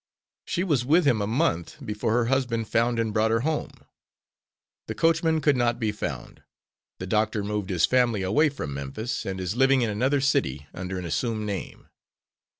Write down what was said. She was with him a month before her husband found and brought her home. The coachman could not be found. The doctor moved his family away from Memphis, and is living in another city under an assumed name.